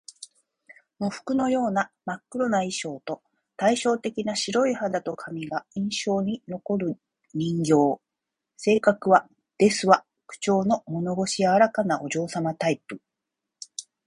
喪服のような真っ黒な衣装と、対照的な白い肌と髪が印象に残る人形。性格は「ですわ」口調の物腰柔らかなお嬢様タイプ